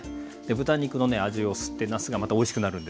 豚肉のね味を吸ってなすがまたおいしくなるんですよ。